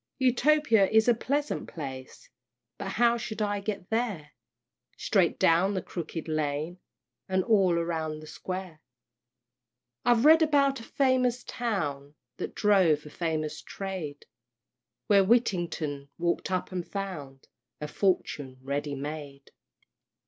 Utopia is a pleasant place, But how shall I get there? "Straight down the Crooked Lane, And all round the Square." I've read about a famous town That drove a famous trade, Where Whittington walk'd up and found A fortune ready made.